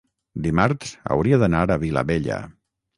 dimarts hauria d'anar a Vilabella.